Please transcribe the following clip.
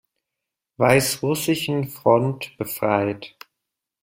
Weißrussischen Front befreit.